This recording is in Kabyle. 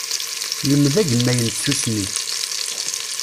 Lmed agemmay n tsusmi.